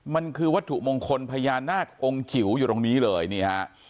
มันคือวัตถุมงคลพญานาคองค์จิ๋วอยู่ตรงนี้เลยนี่ฮะ